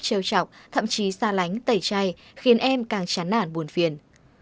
trêu trọc thậm chí xa lánh tẩy chay khiến em càng chán nản buồn phiền